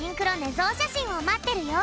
ぞうしゃしんをまってるよ！